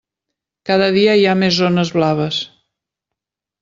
Cada dia hi ha més zones blaves.